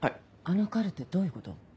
あのカルテどういうこと？